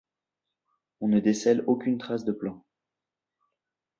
On ne décèle aucune trace de plan.